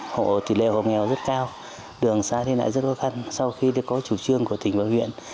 hộ tỉ lệ hộ nghèo rất cao đường xã thì lại rất khó khăn sau khi được có chủ trương của tỉnh và huyện